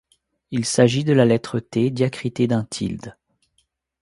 Il s'agit de la lettre T diacritée d'un tilde.